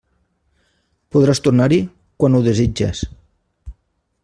Podràs tornar-hi quan ho desitges.